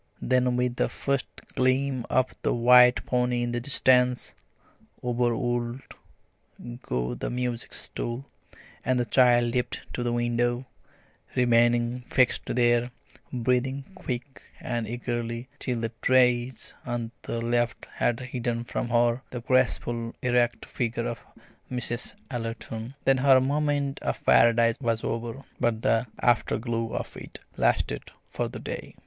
Then with the first gleam of the white pony in the distance, over would go the music stool, and the child leapt to the window, remaining fixed there, breathing quick and eagerly till the trees on the left had hidden from her the graceful erect figure of Mrs. Ellerton. Then her moment of Paradise was over; but the afterglow of it lasted for the day.